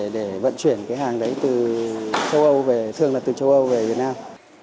để vận chuyển cái hàng đấy từ châu âu về thường là từ châu âu về việt nam